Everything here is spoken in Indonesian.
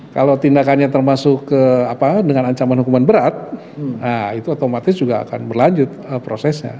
kalau tindakannya termasuk dengan ancaman hukuman berat nah itu otomatis juga akan berlanjut prosesnya